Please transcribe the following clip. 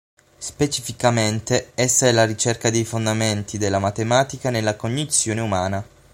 Specificamente, essa è la ricerca dei fondamenti della matematica nella cognizione umana.